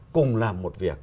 cùng làm một việc